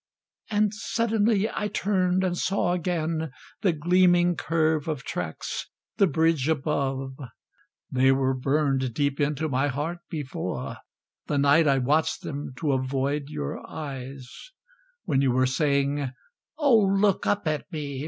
And suddenly I turned and saw again The gleaming curve of tracks, the bridge above They were burned deep into my heart before, The night I watched them to avoid your eyes, When you were saying, "Oh, look up at me!"